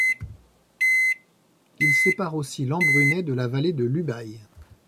Il sépare aussi l'Embrunais de la vallée de l'Ubaye.